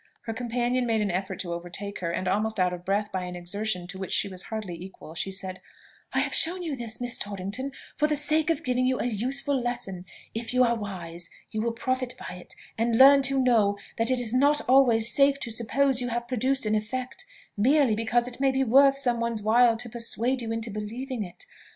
Her companion made an effort to overtake her, and, almost out of breath by an exertion to which she was hardly equal, she said, "I have shown you this, Miss Torrington, for the sake of giving you a useful lesson. If you are wise, you will profit by it, and learn to know that it is not always safe to suppose you have produced an effect, merely because it may be worth some one's while to persuade you into believing it.